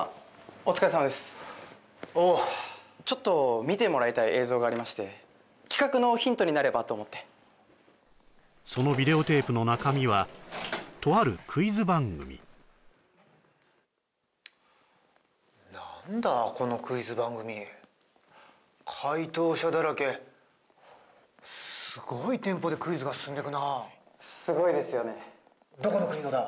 お疲れさまですおうちょっと見てもらいたい映像がありまして企画のヒントになればと思ってそのビデオテープの中身はとあるクイズ番組何だこのクイズ番組解答者だらけすごいテンポでクイズが進んでくなすごいですよねどこの国のだ？